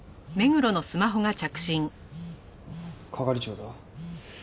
係長だ。